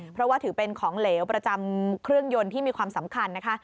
เพราะว่าถือเป็นของเหลวประจำเครื่องยนต์ที่มีความสำคัญนะคะ